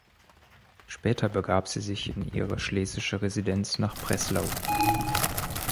Später begab sie sich in ihre schlesische Residenz nach Breslau.